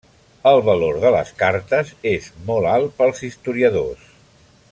El valor de les cartes és molt alt pels historiadors.